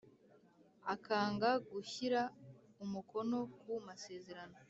Akanga gushyira umukono ku masezerano